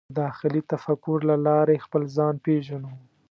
د داخلي تفکر له لارې خپل ځان پېژنو.